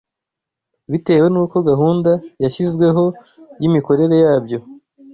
bitewe n’uko gahunda yashyizweho y’imikorere yabyo